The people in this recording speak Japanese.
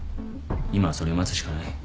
今はそれを待つしかない。